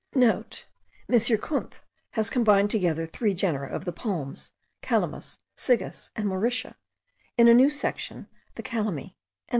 *(* M. Kunth has combined together three genera of the palms, Calamus, Sigus, and Mauritia, in a new section, the Calameae.)